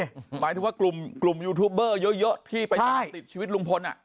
หมายถึงว่ากลุ่มยูทูบเบอร์เยอะที่ไปการติดชีวิตลุงพล